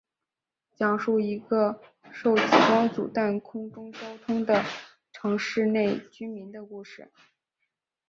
讲述一个受极光阻断空中交通的城市内居民的故事。